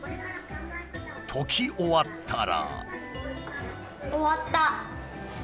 解き終わったら。